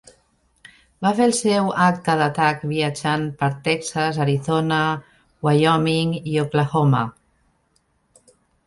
Va fer el seu acte d'atac, viatjant per Texas, Arizona, Wyoming i Oklahoma.